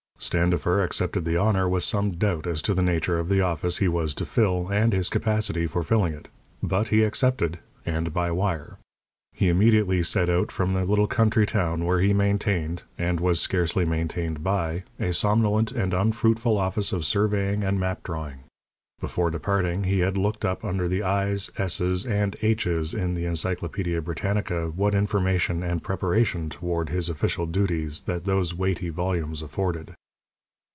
Standifer accepted the honour with some doubt as to the nature of the office he was to fill and his capacity for filling it but he accepted, and by wire. He immediately set out from the little country town where he maintained (and was scarcely maintained by) a somnolent and unfruitful office of surveying and map drawing. Before departing, he had looked up under the I's, S's and H's in the "Encyclopædia Britannica" what information and preparation toward his official duties that those weighty volumes afforded.